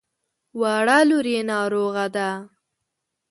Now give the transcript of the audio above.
وړه لور يې ناروغه ده.